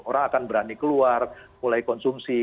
orang akan berani keluar mulai konsumsi